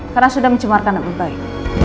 karena sudah mencemarkan nama baik